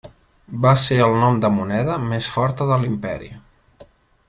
Va ser el nom de moneda més forta de l'imperi.